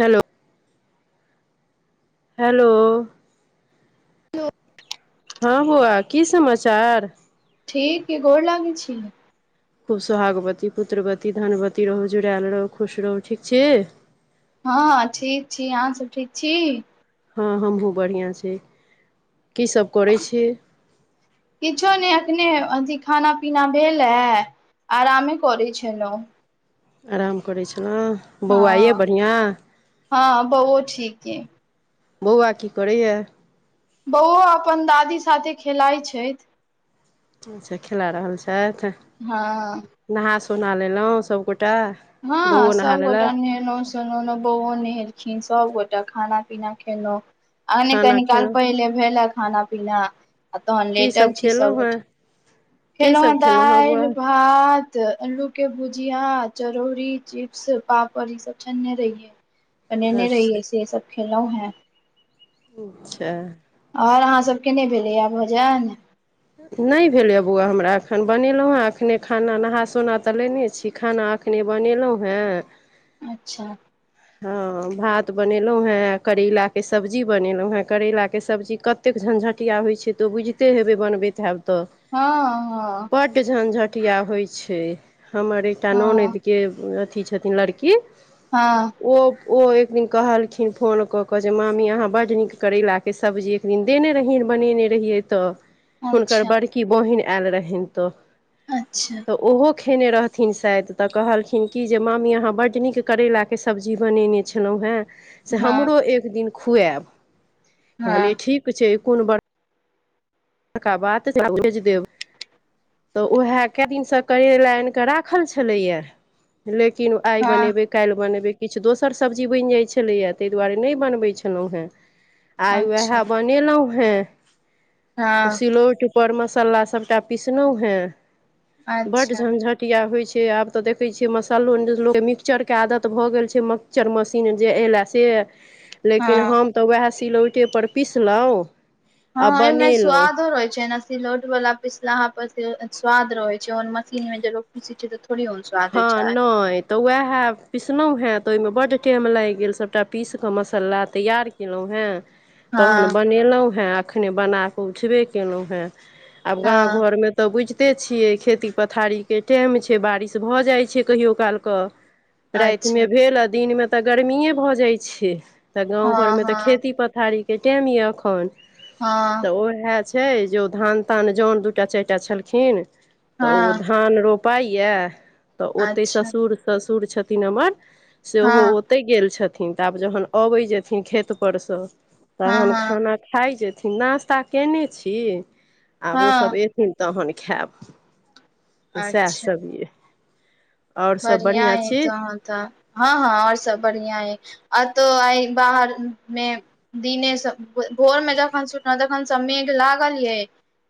hello hello hello हँ बौआ की समाचार ठीक यै गोर लगै छी खूब सोहागवती पुत्रवती धनवती रहू जुड़ायल रहू खुश रहू ठीक छी हँ ठीक छी आहा सब ठीक छी हँ हमहु बढ़िआं छी की सभ करय छी अखने अथी खाना पीना भेल ऐ आरमे करै छलौं आराम करै छलहुँ बौआ ए हँ बढ़िआँ हँ बौओ [unintelligible] बौआ की करैए बौओ अपन दादी साथे खेलाइ छैथ अच्छा खेला रहल छैथ हा सोना लेलौ सबगोे हँ सब गोटा नहेनउ सुनेनउ बौओ नहेलखिन सबगोटाे खाना पीना खेलउ आहने खाना कनी काल खेलहुँ पहिले भेलक खाना पीना आ तहन की लेटल छी सब खेलहुँ हेँ ऐठन की खेलऊ है सब खेलहुँ हेँ बौआ दाल भात अल्लू के भू जीया चरौरी चिप्स पापड़ ई सब छनने रहियै बनेने अच्छा रहीऐ सेे सब खेलऊ है ओ अच्छा और अहाँ सबके नय भेलैया भोजन नहि भेलै बौआ हमरा एखन बनेलऊ हेँ एखने खाना नहा सोना तऽ लेने छी खाना कने बनेलऊ हेँ अच्छा ह भात बनेलों हें करैला के सब्जी बनेलों हें करेला के सब्जी कतेक झंझट टिया होई छय त बुझते हेबय बनबय हैब त हँ हँ बड झझट टिया होइत छै हमर एकटा हँ ननदिके अथी छथिन लड़की हँ ओ ओ एक दिन कहलखिन फोन कऽ कऽ जे मामी अहाँ बड्ड नीक करैलाके सब्जी एक दिन देने रहहिन बनेने रहियै तऽ हुनकर अच्छा बड़की बहिन आयल रहनि त अच्छा तऽ ओहो खेने रहथिन शायद तऽ कहलखिन कि जे मामी अहाँ बड्ड नीक करेला के सब्जी बनेने छलहुँ हेँ से हँ हमरो एक दिन खुआएब कहलियै हँ ठीक छै कोन बड़ तक बात भेज देब [unintelligible] तऽ उएह कए दिनसँ करैला आनि कऽ राखल छलैए लेकिन ओ आइ हँ बनेबै काल्हि बनेबै किछु दोसर सब्जी बनि जाइत छलैए ताहि दुआरे नहि बनबैत छलहुँ हेँ आइ अच्छा उएह बनेलहुँ हें ओ हँ सिलौड़ ऊप पर मसाला सबटा पीसलौ हें बड अच्छा झंझटिया होइ छै से आब तऽ देखै छियै मसाल्लो लोकके मिक्सचरके आदत भऽ गेल छै मिक्सचर मशीन जे अयलाए से लेकिन हँ हम तऽ उएह सिलौटेपर पिसलहुँ आ हँ एमे बनेलहुँ स्वादो रहै छैना सिलौट वला पिसला प स्वाद रहै छै मशीन मे ज लोको पीसै छै थोड़ी ओहन स्वाद होइ हँ छै न तऽ वएह उएह पिसलहुँ हेँ तऽ ओहिमे बड्ड टाइम लागि गेल सभटा पीस कऽ मसाला तैयार केलहुँ हेँ तहन हँ बनेलहुँ हेँ एखने बना कऽ उठबे केलहुँ हेँ आब गाँं हँ घर मे तऽ बुझिते छियै खेती पथारी के टाइम छै बारिश तअ अ जाइ छै कहियो काल क राइत अच्छा मे भेल आ दिन मे तऽ गर्मिये भऽ जाइ छै तऽ गाँव हँ घरमे तऽ हँ खेती पथारीके टाइम यऽ अखन हँ तऽ ओह छै जे ओ धान तान जन दूटा चारि टा छलखिन तऽ ओ हँ धान रोपाइएा तऽ ओते अच्छा ससुर ससुर ससुर छथिन हमर से ओ हँ ओते गेल छथिन थिन तऽ आब जहन अबै जेथिन खेत पर से हँ तहन हँ खाना खााय जेथि अथिन नाश्ता कयने छी आब ओसभ हँ अयथिन तहन खायब त सएह सब भए बढ़िआ है त ह तऽ हँ हँ आओर सब बढ़िआ यै अतो आई बाहर मे दिने सब भोर में जखन सुटल तखन सममे लागलिये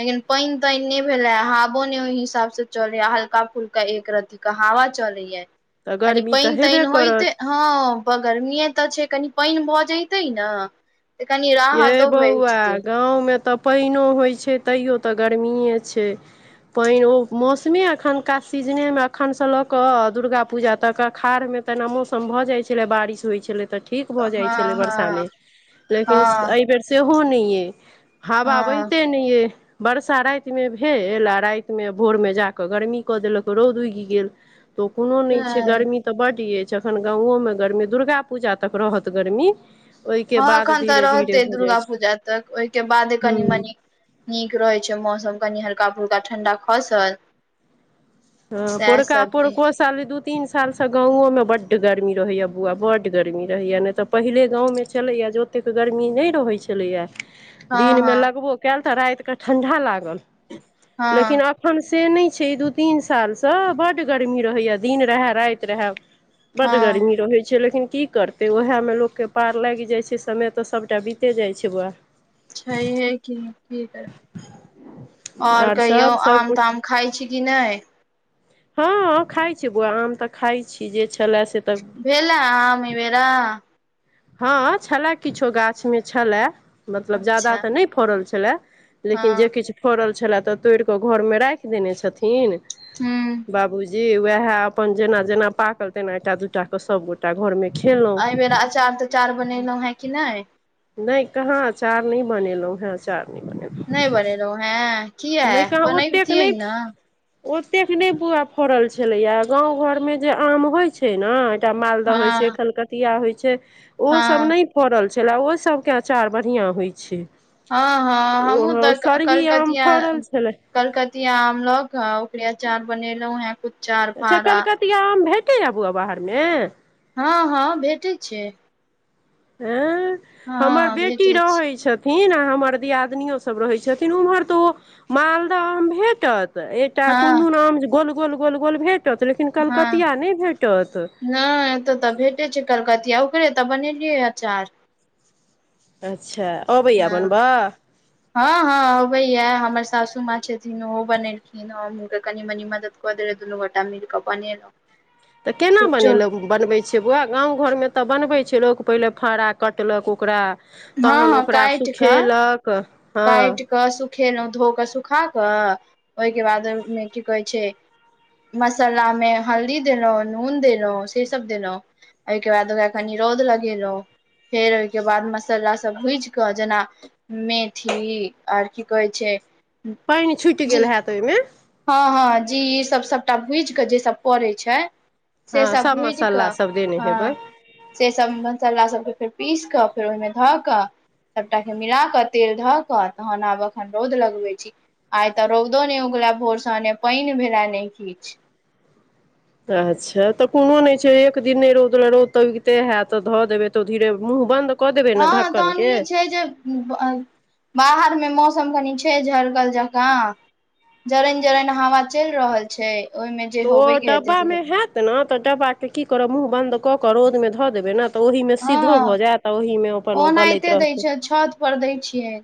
लेकिन पानि तानि नहि भेलै हवो नहि ओहि हिसाबसँ चलैए हल्का फुलका एक रति हवा चलय या तऽ गर्मी तऽ पैन हेबे तन होइ करत त हँ गरमी तऽ छै कनि पानि भऽ जैतै ने तऽ कनि ये राहतो बौआ भेटतै गाँवमें तऽ पानिओ होइत छै तैयो तऽ गर्मिए छै पानि ओ मौसमे एखुनका सीजने मे एखन से लऽ कऽ दुर्गा पूजा तक अषाढ़ मे तना मौसम भऽ जाइ छलै बारिश होइ छलै तऽ ठीक भऽ जाइ छलै हँ वरसामे हँ लेकिन हँ एहि बेेर सेहो नहि अइ हावा हँ बहिते नहि अइ वरसा रातिमे भेल आ रातिमे भोरमे जा कऽ गर्मी कऽ देलक रौद उगि गेल तऽ कोनो नहि छै सैह गर्मी तऽ बड य जखन गाँव में गर्मी दुर्गा पूजा तक रहत गर्मी ओयके बाद घिरे घिरे ते दुर्गा पूजा तक ओहिके बाद कनि हूँ मनी नीक रहे छै मौसम कनी हल्का फुलका ठण्डा खसल ह सएह पोड़का सब य पोड़को साली दू तीन साल से गाँवो मे बड गरमी रहे या बौआ बड गर्मी रहेया ने तऽ पहिले गां मे चले या ओतेक गर्मी नहि रहे छले ये हँ दिन में हँ लगबो कयल तऽ राइत के ठंडा लागल लेकिन हँ अखन से नहि छै द तीन सालसँ बड्ड गरमी रहैए दिन रहए राति रहै बड़ हँ गर्मी रहै छल लेकिन की करतै ओएहमे लोककेँ पार लागि जाइ छै समय तऽ सभटा बीते जाइ छै बएह छाइ है कि की कररमे ओर आर कहियो सभ आम सभकिछु ताम खाइ छी कि नहि हँ खाइ छी बौआ आम तऽ खाइ छी जे छै भेलेल आमे बेरा हँ छलय किछो गाछमे छलए मतलब ज्यादा अच्छा तऽ नहि फड़ल छलए लेकिन जे हँ किछु फड़ल छलए तऽ तोड़ कऽ घरमे राखि देने छथिन हू ज वएह अपन जेना जेना पाकल तेना एकटा दूटा के सब गोटा घर मे एहि बेर अचार तऽचार बनेलहुँ हें कि नहि नहि कहाँ अचाार न बनेलहुं हें अचाार नहि बने रहो हैं कियै नहि कहाँ ओतेक बनइबतियै नहि ना ओतेक नहि बुआ फड़ल छलैया गाँव घरमे जे आम होइत छै ने एकटा मालदाह होय हँ छै कलकतिया होय छै ओ सब हँ ने फड़ल छलै ओ सभके आचार बढ़िआँ होइत छै हँ हँ हमहुँ ओ तऽ सरही आम कलकतिया फड़ल छलै कलकतिया आम लक ओकिया अचार बनेलहुं हैं कु अच्छा कलकतिया आम भेटै आ बोआ बाहरमे हँ हँ भेटैत छै हँ हमर हँ बेटी भेटै छै रहैत छथिन छथिन आ हमर दियादिनियो सब रहै छथिन उम्हर तऽ ओ मालदह आम भेटत तऽ एकटा कोन हँ दुन आम गोल गोल गोल गोल भेट हँ नहि एतऽ तऽ भेटे छै कलकतिया कर त बनेलियै अचार अच्छा अबैया हँ बनबऽ हँ हँ अबैयए हमर सासू माँ छथिन ओहो बनेलखिन हम के कनी मनी मदद कऽ देले दुनू गोटा मिल क बनेलहु तऽ केना बनेलहु बनबै छियै बौआ गामं घरमे तऽ बनबै किछ लोक पहिले फड़ा कटलक ओकरा तहन ओकरा सुूखेलक कइटि क सुखेलहुँ धो कऽ सुखा कऽ ओहिके बादहिमे की कहै छै मसाला मे हल्दी देलहुं नून देलहुँ से सब देलहुँ एहिके बादखनि रोद लगे रहौ फेर ओहिके बाद मसालासभ भुजि कऽ जेना मे ी आर की कहै छै पानि छुटि गेल जी गेल हेत ओहिमे हँ हँ जी ईसभ सभटा भुजि कऽ जे सभ पड़ै छै से हँ सब सभ भुज मसाला कऽ सभ देने हेबै हँ से सब मसाला सबके फेर पीस क सबकें ओहिने धढक सभटा के मिला के तेल धऽ क तहन आब एखन रौद लगबै छी आइ तऽ रौदो नहि उग बोरसने पानन भेलरा नहि खीच अच्छा तऽ कोनो नहि छै एक दिन नहि रौद ल रौद त उबिते हैतत तऽ धऽ देबै तऽ धीरे मुँह बन्द कऽ देबै ने हँ ढक्कन तहन के ई छै जे बाहरमे मौस मौसम कनी छै झरकल जका जरनि जरन हवा चलि रहल छै ओहिमे जे तऽ ओ होबे के हेतै से डब्बामे हेतै होयत ने तऽ डब्बाके की करब मुँह बन्द कऽ कऽ रौदमे धऽ देबै ने तऽ ओहिमे सीधो हँ भऽ जायत ओहिमे अपन ओ गलैत ओनाहिते दै रहतै छै छत पर दै छियै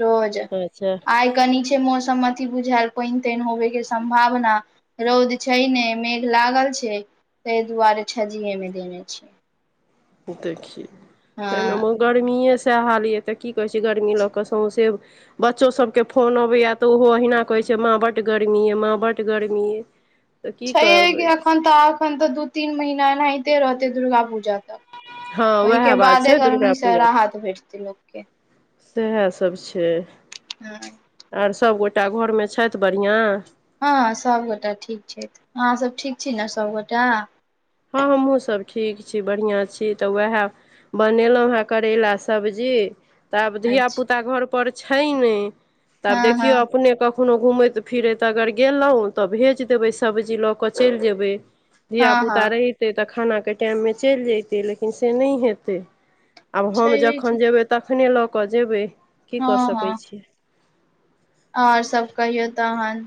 रोज अच्छा आइ कनी छै मौसमी बुझायल पानि तेइन होबेके सम्भावना रौद छैय ने मेघ लागल छै ताहि दुआरे छजीएमे देने छै देखी त हँ गरमेी सह हाल ये ते की कहे छै गर्मी ल के सौंसे बच्चो सब के फोन अबेया तऽ ओहो अहिना कहे छै जे माँ बड्ड गर्मी याय माँ बड्ड गर्मी याय छैे कि एखन तऽ एखन तऽ दू तीन महीना एनाहिते रहतै दुर्गा पूजा हँ उएह ओहिके बात बादे छै दुर्गा गर्मीसँ पूजा राहत भेटतै लोकके सएह सब छै हँ आर सबगोटा घरमे छथि बढ़िआँ हँ सभगोटा ठीक छै अहाँसभ ठीक छी ने सभगोटा हँ हमहहुँसभ ठीक छी बढ़िआं छी तऽ उएह बनेलहुँ हेँ करैला सब्जी जी तऽ आब धिय अच्छा पुता घर पर छै ने तऽ आब हँ हँ देखियौ अपने क कखनो घूमैत फिरैत अगर गेलहुँ तऽ भेज देबै सब्जी लऽ कऽ चलि जेबै हँ धियापुता हँ रहितै तऽ खानाके टाइममे चलि जयतै लेकिन से नहि हेतै आब हम छैहे कि जखन जेयबै तखने लऽ कऽ जेबै की हँ कऽ हँ सकैत छियै आओर सभ कहियौ तहन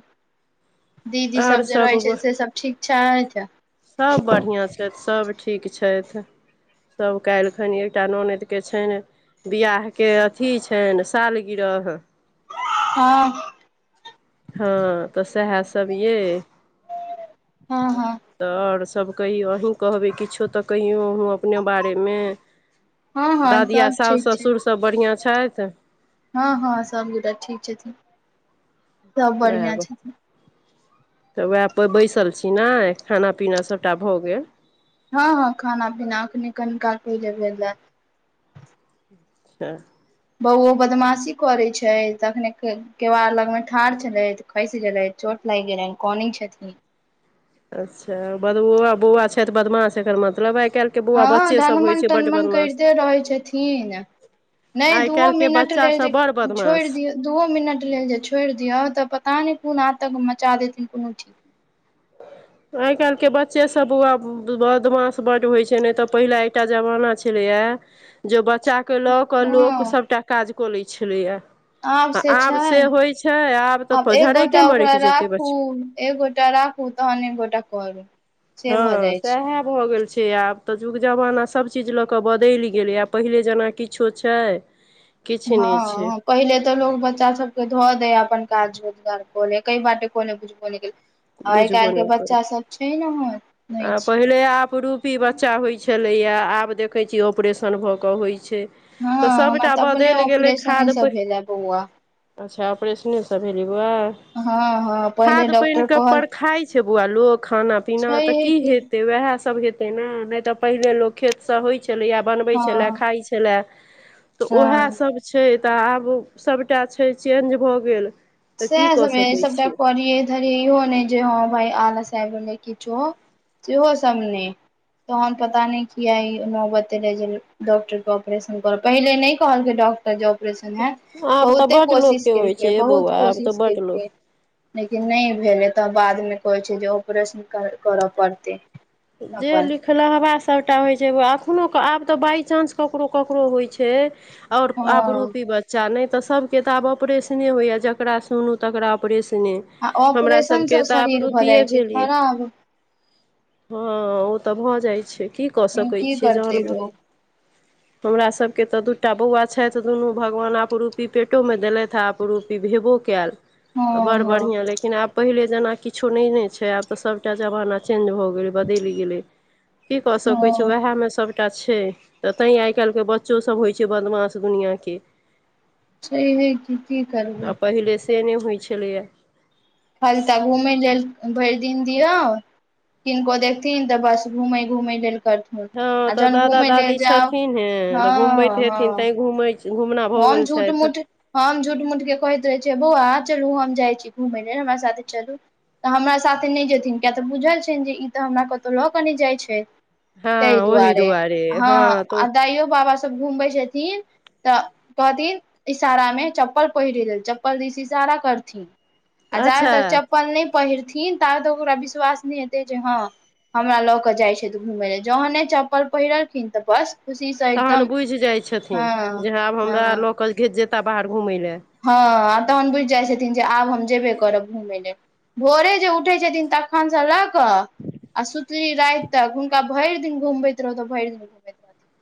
दीदी आओर सब जे रहै सभ छै से सब ठीकठा ह छै सभ बढ़िआँ छथि सभ ठीक छथि सभ कलखनि एकटा ननदिके छनि वियाहके अथि छनि सालगिरह हँ हँ तऽ सएह सब यै हँ हँ तऽ आओर स सभ कहियौ अहीँ कहबै किछो तऽ कहियौ अहूँ अपने बारेमे हँ हँ दादिया सब ठीक सासु छै ससुरसभ बढ़िआँ छथि हँ हँ सभगोट ठीक छथिन सभ उएह बढ़िआँ छथिन तऽ उएहप बैसल छी ने खाना पीना सभटा भऽ गेल हँ हँ खाना पीना आखने कनक क जेब अ बौओ बदमाशी करै छै तखने केबा लगमे ठाढ़ छलथि खसि गेलथि छोट नय गेलनि कानय छथिन अच्छा बदबुआ बौआ छै तऽ बदमाशे एकर मतलब आ हँ धनमन तनमन करिते रहै छथिन नहि आइ दूओ काल्हिके मिनट बच्चा लेल सभ जे बड़ छोड़ि बदमाश दियौ दूओ मिनट लेल जे छोड़ि दियौ तऽ पता नहि पूना तक मचा देथिन कोनो ठीक ह आइ काल्हि के बच्चे सब बुआ बदमाश बड्ड होइ छै ने तऽ पहिला एकटा जमाना छलैएा जे बच्चा के लऽ कऽ लोक हँ सभटा काज कऽ लैत छलैया आब आ से छै होइ छै आब तऽ एक झरैके गोटा मरैक ओकरा जेतै राखू बच्चा एक गोटा राखू तहन एक गोटा करू से भऽ हँ जाइ छै सएह भऽ गेल छै से आब तऽ युग जमाना सभचीज लऽ कऽ बदलि गेलै आब पहिले जेना किछो छै किछु नहि छै हँ पहिले तऽ लोकोग बच्चा सबके धऽ दै आ अपन काज रोजगार क लइ कइ बाटे क लै बुझबो नै केल आइ बुझबो काल्हिके नहि करै बच्चासभ छै ओहन नहि छै पी बच्चा होय छले या आब देखे छी ऑपरेशन भ के होय छै हँ तऽ हमरा सबटा तऽ अपने बदल गेलै ऑपरेशने खाद से प भेले बौआ अच्छा ऑपरेशने सब भेल ह हँ हँ पहिले खाद पानि डॉक्टर क कहल पर खााय छै बौआ लोग खाना पीना छै तऽ हे की कि हेतै वएह सभ हेतै ने नहि तऽ पहिनेे लोक खेतसँ होइत छलैए बनबैत छलय हँ खाइत छलय तऽ हँ उएहसभ छै तऽ आब सभटा छै चेंज भऽ गेल तऽ की सयह कऽ समय सकैत सबटा छियै करियइ धरियइ इहो नहि जे हँ भइ आलस आइब गेलै किछो सेहो सभ नै तहन पता नहि किया ई न बते रहे जे डॉक्टर के ऑपरेशन कर पहिले नहि कहलक डक् डॉक्टर जो ऑपरेशन होयत आब तऽ बहुते बड्ड कोशिश लोकके होइ केलकै छै बहुत बौआ आब कोशिश तऽ बड्ड लोक केलकै लेकिन नहि भेलै तऽ बादमे कहै छै जे ऑपरेशन करय पड़तै जे अपन लिख ल हबा सभटा होइ छै एखनो क आब तऽ बाइचान्स ककरो ककरो होइ छै ओर हँ आपरूपी बच्चा नै तऽ सबके तऽ आब ऑपरेशने होइया जकरा सुनु तकरा ऑपरेश न आ हमरा ऑपरेशन सबके सँ तऽ शरीर भऽ आपरूपए जाइ छै भेल य खराब हँ ओ तऽ भऽ जाइ छै की कऽ सकै की छियै जहन करतै भ लोक हमरासभके तऽ दूटा बौआ छै त दुनू भगवान आपरूपी पेटोमे देलथि आ आपरूपी भेबो कायल हँ तऽ बड़ हँ बढ़िआँ लेकिन आब पहिले जेना किछो नहि ने छै आब तऽ सभटा जमाना चेंज भऽ बदइल गेले कि क सकै हँ छै वेहा मे स एकटा छै तऽ तैँ आइ काल्हिके बच्चोसभ होइ छै बदमाश दुनिआँके सही है कि की आ करबे पहिले से नहि होइ छलैया फल त घूमै लेल भरि दिन दियौ किनको देखतीेहन तऽ बस घूमै घूमै लेल कर थून हँ आ तऽ जहन दादा घुमय लेल दादी जाउ छथिन हे तऽ हँ घुमबैत हँ हेथिन तैँ घुमै घुमना भऽ हम गेल झूठ छथि मूठ हम झूठ मूठ के कहैत रहै छ बौआ चलू हम जाइ छी घूमय ले हमरा साथे चलू तऽ हमरा साथे नहि जेथिन किया तऽ बुझल छनि जे ई तऽ हमरा कतहु लऽ कऽ नहि जाइ छै हँ ताहि ओहि दुआरे हँ तो आ दाइयो बाबा सभ घुमबै छथिन तऽ कहथिन इशारा मे चप्पल पहिर लेल चप्पल दिस इशारा करथिन आ जाब अच्छा तक चप्पल नहि पहिरथिन ताब तक ओकरा विश्वास नहि हेतै जे हँ हमरा लऽ कऽ जाइ छथि घूमय लए जहने चप्पल पहिरलखिन तऽ बस खुशीसँ तहन एकदम बुझि जाइ हँ छथिन जे आब हँ हमरा लऽ कऽ घे जेयताह बाहर घूमय ल हँ तहन बुझि जाइ छथिन जे आब हम जेबे करब घूमय लेल भोरे जे उठै छथिन तखनसँ लऽ कऽ आ सुतली रात तक हुनका भैर दिन घुमबैत रहौत' भरि दिन घुमैत रहथिन